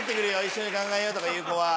一緒に考えようとかいう子は。